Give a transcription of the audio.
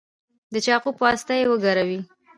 د چاقو په واسطه یې وګروئ.